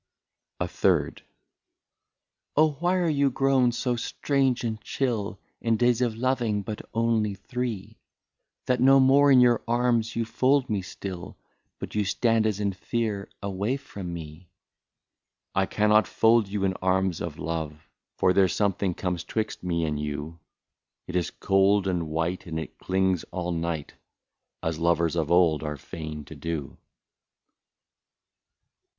i66 A THIRD. '' Oh ! why are you grown so strange and chill, In days of loving but only three, That no more in your arms you fold me still, But you stand, as in fear, away from me ?"" I cannot fold you in arms of love, For there 's something comes 'twixt me and you; It is cold and white, and it clings all night, As lovers of old are fain to do."